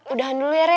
udahan dulu ya re